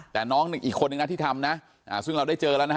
แต่น้องอีกคนนึงนะที่ทำนะซึ่งเราได้เจอแล้วนะ